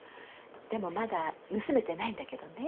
でもまだ盗めてないんだけどね。